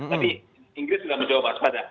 tapi inggris sudah menjawab waspada